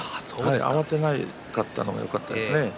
慌てなかったのがよかったですね。